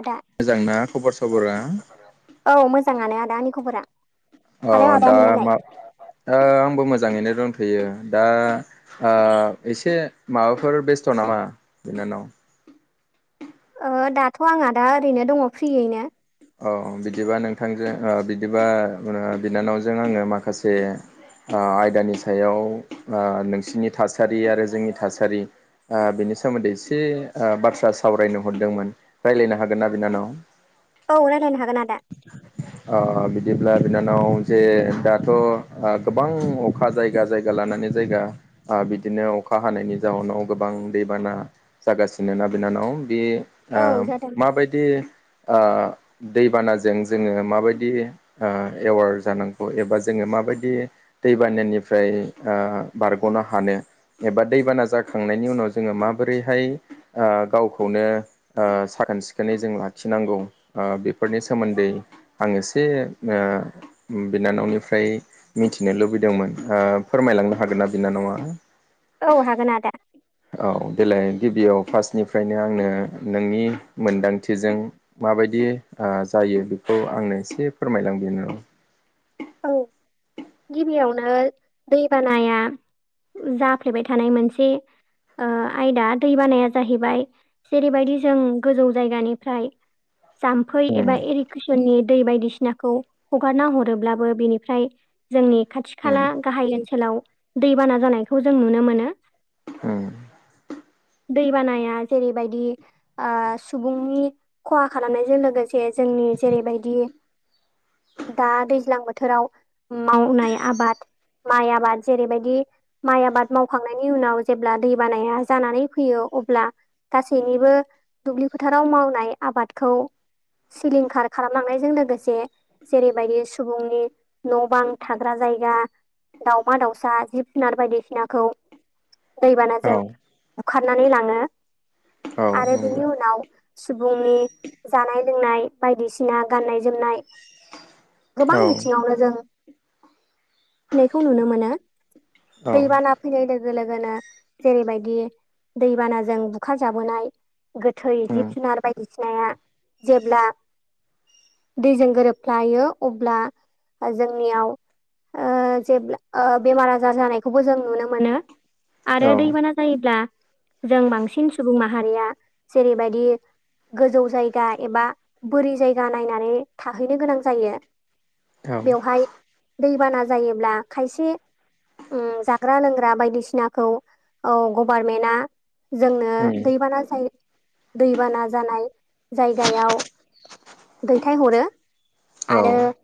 आदा मोजां ना खबर सबरा? औ मोजांङानो आदा आनि खबरा। अ आरो दा आदानियालाय मा ओ आंबो मोजाङैनो दंथ'यो दा ओ एसे माबाफोर बेस्थ' नामा बिनानाव ओ दाथ' आंहा दा ओरैनो दंङ' फ्रियैनो औ बिदिबा नोंथांजों ओ बिदिबा बिनानावजों आंङो माखासे ओ आयदानि ओ सायाव नोंसिनि थासारि आरो जोंनि थासारि ओ बिनि सोमोन्दै एसे ओ बाथ्रा सावरायनो हरदोंमोन रायज्लायनो हागोनना बिनानाव औ रायज्लायनो हागोन आदा [inaudible] अ बिदिब्ला बिनानाव जे दाथ' गोबां अखा जायगा जायगा जायगा लानानै जायगा आ बिदिनो अखा हानायनि जाउोनाव गोबां दैबाना जागासिनो ना बिनानाव बे आ औ जादों माबायदि आ दैबानाजों जोङो माबायदि आ एवार जानांगौ एबा जोङो माबायदि दैबानानिफ्राय आ बारग'नो हानो। एबा दैबाना जाखांनायनि उनाव जोङो माबोरैहाय ओ गावखौनो आ साखोन सिखोनै जों लाखिनांगौ आ बेफोरनि सोमोन्दै आं एसे ओ बिनानावनिफ्राय मिथिनो लुबैदोंमोन ओ फोरमायलांनो हागोनना बिनानावा? औ हागोन आदा। औ देलाय गिबियाव फार्स्टनिफ्रायनो आंनो नोंनि मोनदांथिजों माबायदि आ जायो बेखौ आंनो एसे फोरमायलां बिनानाव। औ [inaudible] गिबियावनो दैबानाया जाफ्लेबाय थानाय मोनसे ओ आयदा दै बानाया जाहैबाय जेरैबायदि जों गोजौ जायगानिफ्राय जाम्फै एबा उम इरिगेसननि दै बायदिसिनाखौ हगारना हरोब्ला बेनिफ्राय जोंनि खाथि उम खाला गाहाय ओनसोलाव दैबाना जानायखौ जों नुनो मोनो। ओं। दै बानाया जेरैबायदि आ सुबुंनि खहा खालामनायजों लोगोसे जोंनि जेरैबायदि दा दैज्लां बोथोराव मावनाय आबाद माइ आबाद जेरैबायदि माइ आबाद मावखांनायनि उनाव जेब्ला दै बानाया जानानै फैयो अब्ला गासैनिबो दुब्लि फोथाराव मावनाय आबादखौ सिलिंखार खालामलांनायजों लोगोसे जेरैबायदि सुबुंनि न' बां थाग्रा जायगा दावमा दाउसा जिब जुनार बायदिसिनाखौ औ दैबानाजों बुखारनानै लाङो औ आरो नंगौ बेनि उनाव सुबुंनि जानाय लोंनाय बायदिसिना गाननाय जोमनाय गोबां औ बिथिङावनो जों फिनायखौ नुनो मोनो औ दैबाना फैनाय लोगो लोगोनो जेरैबायदि दैबानाजों बुखार जाबोनाय। गोथै उम औ जिब जुनार बायदिसिनाया जेब्ला दैजों गोरोबफ्लायो अब्ला जोंनियाव ओ जेब्ला ओ बेमार आजार जानायखौबो जों नुनो मोनो। आरो औ दैबाना जायोब्ला जों बांसिन सुबुं माहारिया जेरैबायदि गोजौ जायगा एबा बोरि जायगा नायनानै थाहैनो गोनां जायो। उम बेवहाय दैबाना जायोब्ला खायसे उम जाग्रा लोंग्रा बायदिसिनाखौ औ गभारमेन्टआ जोंनो दैबाना जायो दैबाना जानाय जायगायाव दैथायहरो। आरो औ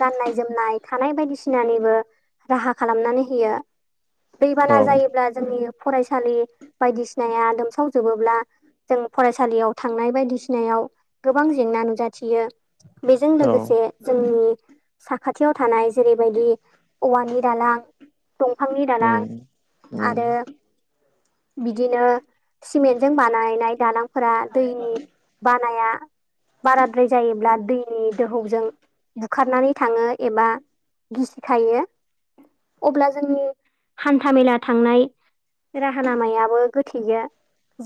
गाननाय जोमनाय थानाय बायदिसिनानिबो राहा खालामनानै होयो। दैबाना औ जायोब्ला जोंनि फरायसालि बायदिसिनाया लोमसावजोबोब्ला जों फरायसालियाव थांनाय बायदिसिनायाव गोबां जेंना नुजाथियो। बेजों औ लोगोसे जोंनि साखाथियाव थानाय जेरैबायदि औवानि दालां दंफांनि दालां उम उम आरो बिदिनो सिमेन्टजों बानायनाय दालां फोरा दैनि बानाया बाराद्राय जायोब्ला दै दोहौजों बुखारनानै थाङो एबा गिसिखायो। अब्ला जोंनि हान्था मेला थांनाय राहा लामायाबो गोथैयो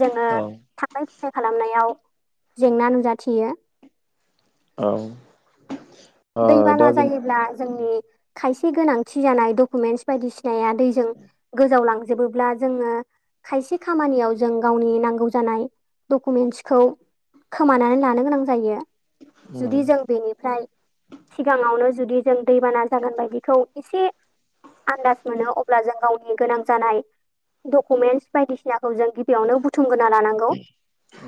जोङो थांलाय औ फैलाय खालामनायाव जेंना नुजाथियो औ दैबाना जायोब्ला जोंनि खायसे गोनांथि जानाय डकुमेन्टस बायदिसिनाया दैजों गोजाव लांजोबोब्ला जोङो खायसे खामानियाव जों गावनि नांगौ जानाय डकुमेन्टसखौ खोमानानै लानो गोनां जायो उम जुदि जों बेनिफ्राय सिगाङावनो जुदि जों दैबाना जागोन बायदिखौ एसे आन्दाज मोनो अब्ला जों गावनि गोनां जानाय डकुमेन्टस बायदिसिनाखौ जों गिबियावनो बु थुमग्रोना लानांगौ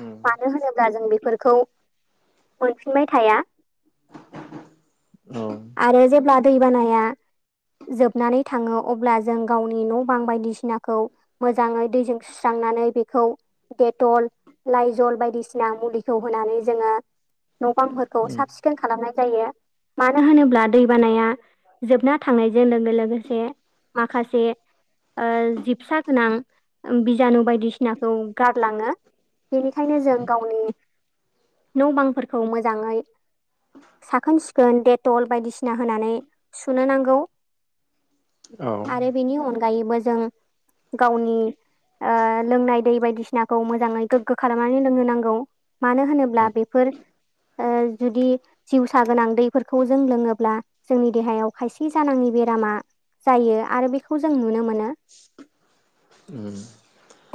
उम मानो होनोब्ला जों बेफोरखौ मोनफिनबाय थाया औ आरो जेब्ला दै बानाया जोबनानै थाङो अब्ला जों गावनि न' बां बायदिसिनाखौ मोजाङै दैजों सुस्रांनानै बेखौ डेटल लाइजल बायदिसिना मुलिखौ होनानै जोङो न' बांफोरखौ उम साब सिखोन खालामनाय जायो मानो होनोब्ला दैबानाया जोबना थांनायजों लोगो लोगोसे माखासे ओ जिबसा गोनां बिजानु बायदिसिनाखौ गारलाङो बेनिखायनो जों गावनि न' बांफोरखौ मोजाङै साखोन सिखोन डेटल बायदिसिना होनानै सुनो नांगौ औ आरो बेनि अनगायैबो जों गावनि ओ लोंनाय दै बायदिसिनाखौ मोजाङै गोग्गो खालामनानै लोंनो नांगौ मानो होनोब्ला उम बेफोर ओ जुदि जिउसा गोनां दैफोरखौ जों लोङोब्ला जोंनि देहायाव खायसे जानाङि बेरामा जायो आरो बेखौ जों नुनो मोनो उम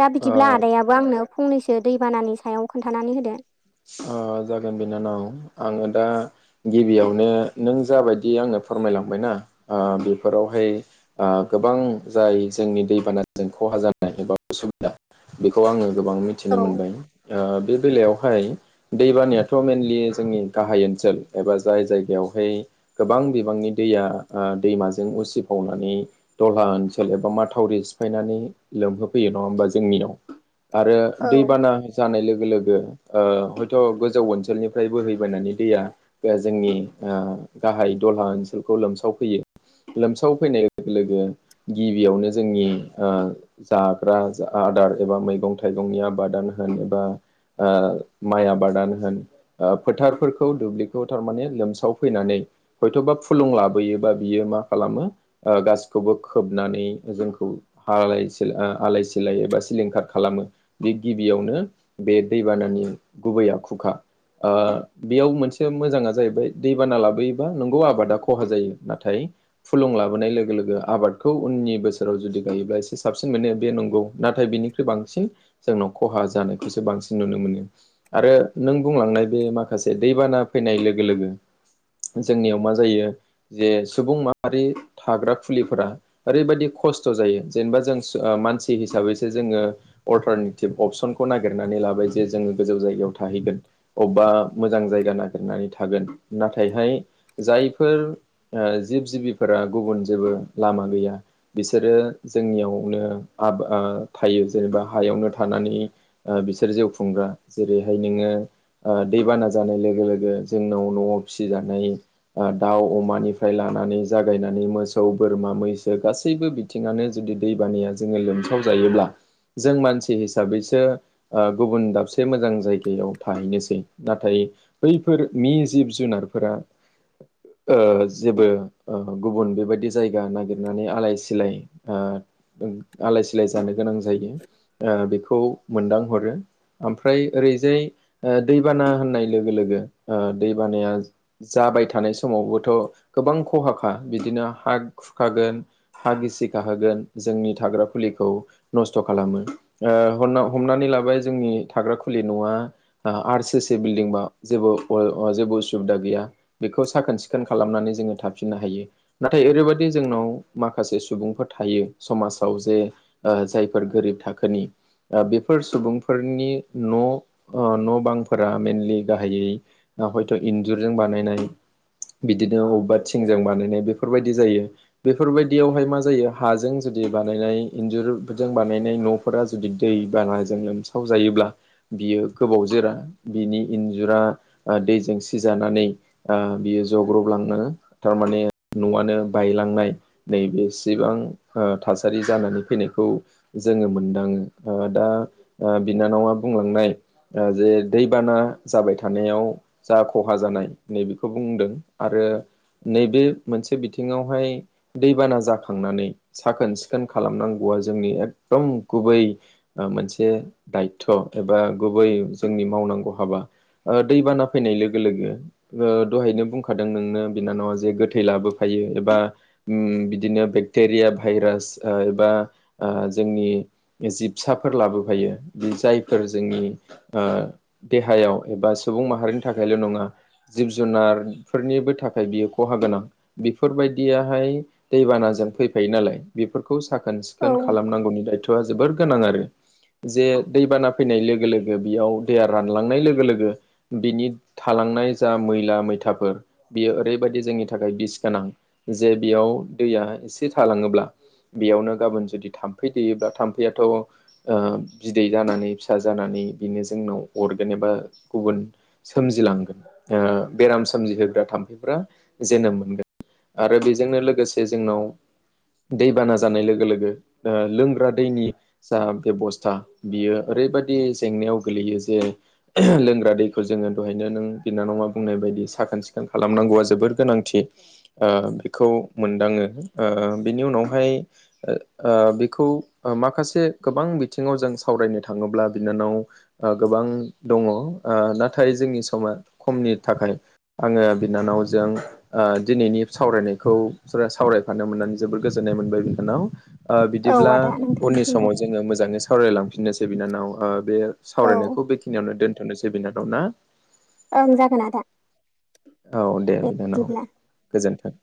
दा ओ बिदिब्ला आदायाबो आंनो फंनैसो दैबानानि सायाव खोन्थानानै होदो ओ जागोन बिनानाव आङो दा गिबियावनो नों जाबायदि आनो फोरमायलांबायना ओ बेफोरावहाय ओ गोबां जाय जोंनि दैबानाजों खहा जानाय एबा उसुबिदा बेखौ आङो गोबां औ मिथिनो मोनबाय ओ बे बेलायावहाय दैबानायाथ' मेनलि जोंनि गाहाय ओनसोल एबा जाय जायगायावहाय गोबां बिबांनि दैया ओ दैमाजों उसिफावनानै दलहा ओनसोल एबा माथावरि सिफायनानै लोमहोफैयो नङा होमबा जोंनिनाव आरो औ दैबाना जानाय लोगो लोगो ओ हयथ' गोजौ ओनसोलनिफ्राय बोहैबोनानै दैया जे जोंनि ओ गाहाय दलहा ओनसोलखौ लोमसावफैयो लोमसाव फैनाय लोगो लोगो गिबियावनो जोंनि ओ जाग्रा जा आदार एबा मैगं थाइगंनि आबादानो होन एबा ओ माइ आबादानो होन ओ फोथारफोरखौ दुब्लिखौ थारमाने लोमसाव फैनानै हयथबा फुलुं लाबोयोबा बियो मा खालामो ओ गासिखौबो खोबनानै जोंखौ हालाय सिला ओ आलाय सिलाय एबा सिलिंखार खालामो बे गिबियावनो बे दै बानानि गुबै आखुखा ओ बेयाव मोनसे मोजाङा जाहैबाय दैबाना लाबोयोबा नोंगौ आबादा खहा जायो नाथाय फुलुं लाबोनाय लोगो लोगो आबादखौ उननि बोसोराव जुदि गायोब्ला एसे साबसिन मोनो बे नोंगौ नाथाय बिनि फ्राय बांसिन जोंनाव खहा जानायखौसो बांसिन नुनो मोनो आरो नों बुंलांनाय बे माखासे दैबाना फैनाय लोगो लोगो जोंनियाव मा जायो जे सुबुं माहारि थाग्रा खुलिफोरा ओरैबायदि खस्थ जायो जेनबा जों सो ओ मानसि हिसाबैसो जोङो अल्टारनेटिभ अपसनखौ नागिरनानै लाबाय जे जोङो गोजौ जायगायाव थाहैगोन अबेबा मोजां जायगा नागिरनानै थागोन नाथायहाय जायफोर ओ जिब जिबिफोरा गुबुन जेबो लामा गैया बिसोरो जोंनियावनो आब ओ थायो जेनेबा हायावनो थानानै आ बिसोर जिउ खुंग्रा जेरैहाय नोङो ओ दैबाना जानाय लोगो लोगो जोंनाव नआव फिजानाय दाउ अमानिफ्राय लानानै जागायनानै मोसौ बोरमा मैसो गासैबो बि थिंआनो जुदि दैबानाया जोङो लोमसाव जायोब्ला जों मानसि हिसाबैसो ओ गुबुन दाबसे से मोजां जायगायाव थाहैनोसै नाथाय बैफोर मि जिब जुनारफोरा ओ जेबो ओ गुबुन बेबायदि जायगा नागिरनानै आलाय सिलाय ओ आलाय सिलाय जानो गोनां जायो ओ बिखौ मोनदांहरो ओमफ्राय ओरैजाय ओ दैबाना होननाय लोगो लोगो ओ दैबानाया जाबाय थानाय समावबोथ' गोबां खहाखा बिदिनो हा खुखागोन हा गिसि खाहोगोन जोंनि थाग्रा फुलिखौ नस्थ' खालामो ओ हन्ना हमनानै लाबाय जोंनि थाग्रा खुलि न'आ आ आरसोसे बिल्डिंबा जेबो अ अ जेबो उसुबिदा गैया बिखौ साखोन सिखोन खालामनानै जोङो थाफिननो हायो नाथाय ओरैबायदि जोंनाव माखासे सुबुंफोर थायो समाजाव जे ओ जायफोर गोरिब थाखोनि आ बेफोर सुबुंफोरनि न' ओ न' बांफोरा मेनलि गाहायै ना हयथ' इन्जुरजों बानायनाय बिदिनो अब्बा थिंजों बानायनाय बेफोरबायदि जायो बेफोरबायदियावहाय मा जायो हाजों जुदि बानायनाय इन्जुरजों बानायनाय न' फोरा जुदि दै बानाजों लोमसाव जायोब्ला बियो गोबाव जोरा बिनि इन्जुरा आ दैजों सिजानानै ओ बियो जग्रबलांनो थारमाने न'आनो बायलांनाय नैबेसेबां ओ थासारि जानानै फैनायखौ जोङो मोनदाङो आ दा ओ बिनानावा बुंलांनाय ओ जे दैबाना जाबाय थानायाव जा खहा जानाय नैबेखौ बुंदों आरो नैबे मोनसे बिथिङावहाय दैबाना जाखांनानै साखोन सिखोन खालामनांगौआ जोंनि एकदम गुबै ओ मोनसे दायथ' एबा गुबै जोंनि मावनांगौ हाबा ओ दै बाना फैनाय लोगो लोगो ओ दहायनो बुंखादों नोंनो बिनानावा जे गोथै लाबोफायो एबा उम बिदिनो बेक्टेरिया भाइरास ओ एबा ओ जोंनि जिबसाफोर लाबोफायो बे जायफोर जोंनि ओ देहायाव एबा सुबुं माहारिनि थाखायल' नङा जिब जुनारफोरनिबो थाखाय बियो खहा गोनां बिफोरबायदियाहाय दैबानाजों फैफायो नालाय बिफोरखौ साखोन औ सिखोन खालामनांगौनि दायथ'आ जोबोर गोनां आरो जे दैबाना फैनाय लोगो लोगो बियाव दैया रानलांनाय लोगो लोगो बिनि थालांनाय जा मैला मैथाफोर बियो ओरैबायदि जोंनि थाखाय बिस गोनां जे बियाव दैया इसे थालाङोब्ला बेयावनो गाबोन जुदि थाम्फै दैेयोब्ला थाम्फैयाथ' ओ बिदै जानानै फिसा जानानै बिनो जोंनाव अरगोन एबा गुबुन सोमजिलांगोन बेराम सोमजिहोग्रा थाम्फैफ जोनोम मोनगोन। आरो बेजोंनो लोगोसे जोंनाव दैबाना जानाय लोगो लोगो लोंग्रा दैनि जा बेबस्था बियो ओरैबायदि जेंनायाव गोलैयो जे लोंग्रा दैखौ जोङो दहायनो नों बिनानावा बुंनाय बायदि साखोन सिखोन खालामनांगौआ जोबोर गोनांथि। ओ बेखौ मोनदाङो बेनि उनावहाय ओ बेखौ माखासे गोबां बिथिङाव जों सावरायनो थाङोब्ला बिनानाव ओ गोबां दङ ओ नाथाय जोंनि समा खमनि थाखाय आङो बिनानावजों ओ दिनैनि सावरायनायखौ सावरायफानो मोननानै जोबोर गोजोननाय मोनबाय बिनानाव। ओ औ बिदिब्ला आदा उननि नोंथांनिसिमबो समाव जोङो मोजाङै सावरायलांफिननोसै बिनानाव। ओ बे औ सावरायनायखौ बेखिनियावनो दोनथ'नोसै बिनानाव ना? ओं जागोन आदा। औ दे बिनानाव गोजोन्थों।